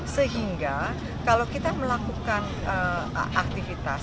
sehingga kalau kita melakukan aktivitas